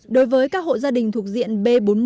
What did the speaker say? đối với các hộ gia đình thuộc diện b bốn mươi